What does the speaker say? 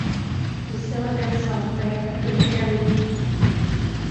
These elements are rare in the Caribbean.